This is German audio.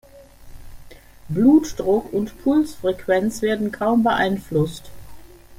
Blutdruck und Pulsfrequenz werden kaum beeinflusst.